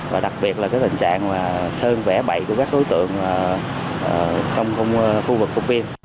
và đặc biệt là cái tình trạng sơn vẻ bậy của các đối tượng trong khu vực công viên